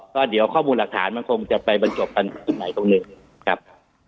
ก็เดี๋ยวข้อมูลหลักฐานมันคงจะไปบรรจบกันตรงไหนตรงหนึ่งครับ